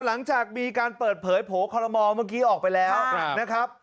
หลังจากมีการเปิดเผยโผล่คอลโมเมื่อกี้ออกไปแล้วนะครับ